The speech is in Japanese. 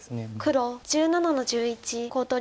黒１７の十一コウ取り。